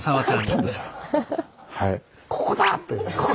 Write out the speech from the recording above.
「ここだ！」っていう。